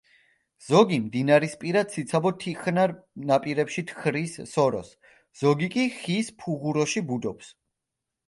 ზოგი მდინარისპირა ციცაბო თიხნარ ნაპირებში თხრის სოროს, ზოგი კი ხის ფუღუროში ბუდობს.